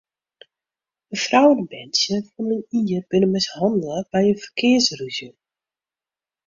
In frou en in berntsje fan in jier binne mishannele by in ferkearsrûzje.